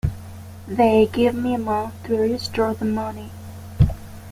They give me a month to restore the money.